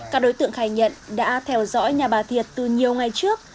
các đối tượng khai nhận đã theo dõi nhà bà thiệt từ nhiều ngày trước